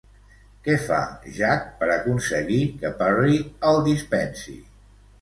Què fa Jack per aconseguir que Parry el dispensi?